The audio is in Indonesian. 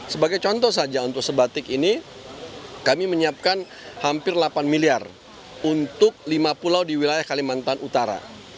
sebagai contoh saja untuk sebatik ini kami menyiapkan hampir delapan miliar untuk lima pulau di wilayah kalimantan utara